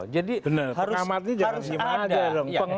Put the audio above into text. jadi harus ada